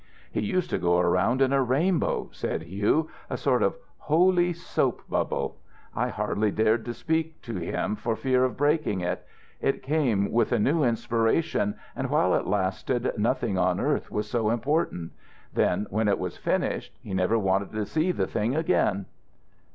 "He used to go around in a rainbow," said Hugh, "a sort of holy soap bubble. I hardly dared to speak to him for fear of breaking it. It came with a new inspiration, and while it lasted nothing on earth was so important. Then when it was finished he never wanted to see the thing again."